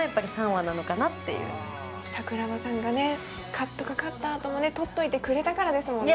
カットかかったあともね撮っといてくれたからですもんね